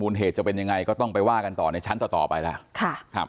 เหตุจะเป็นยังไงก็ต้องไปว่ากันต่อในชั้นต่อไปแล้ว